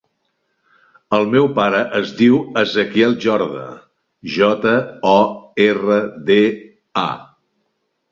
El meu pare es diu Ezequiel Jorda: jota, o, erra, de, a.